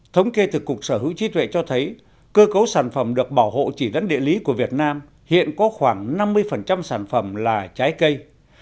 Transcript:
thống kê từ cục sở hữu trí tuệ cho thấy cơ cấu sản phẩm được bảo hộ chỉ dẫn địa lý của việt nam hiện có khoảng năm mươi sản phẩm là trái cây